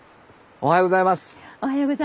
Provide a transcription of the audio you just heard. おはようございます。